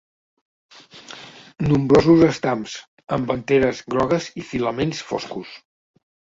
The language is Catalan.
Nombrosos estams, amb anteres grogues i filaments foscos.